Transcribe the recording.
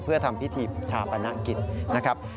เพื่อทำพิธีชาปนกิจนะครับ